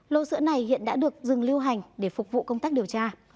lô sữa này hiện đã được dừng lưu hành để phục vụ công tác điều tra